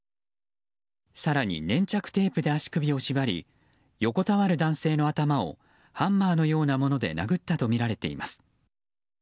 更に、粘着テープで足首を縛り横たわる男性の頭をハンマーのようなもので殴ったとみられています。